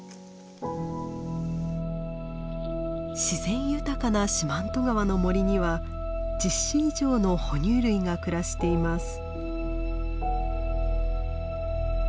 自然豊かな四万十川の森には１０種以上の哺乳類が暮らしています。